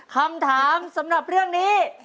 คำถามสำหรับเรื่องนี้